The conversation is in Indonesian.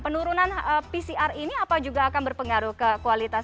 penurunan pcr ini apa juga akan berpengaruh ke kualitas